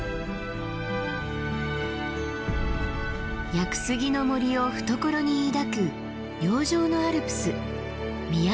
屋久杉の森を懐に抱く洋上のアルプス宮之浦岳です。